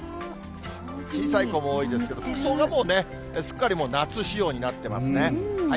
小さい子も多いですけど、服装がもうすっかり夏仕様になっていますね。